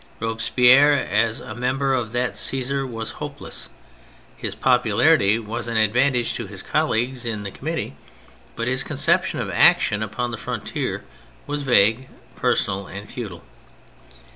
Robespierre as a member of that Caesar was hopeless. His popularity was an advantage to his colleagues in the Committee, but his conception of action upon the frontiers was vague, per sonal, and futile.